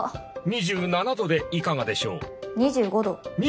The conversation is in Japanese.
２６度でいかがでしょう。